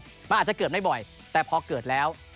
มันอาจจะเกิดไม่บ่อยแต่พอเกิดแล้ว